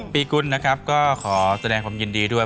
ปีกุลนะครับก็ขอแสดงความยินดีด้วย